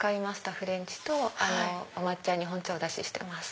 フレンチとお抹茶日本茶をお出ししてます。